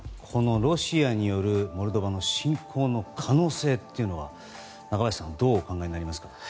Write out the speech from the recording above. ロシアによるモルドバの侵攻の可能性というのはどうお考えになりますか？